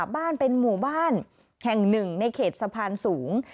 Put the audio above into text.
บ้านเป็นหมู่บ้านแห่งหนึ่งในเขตสะพานสูง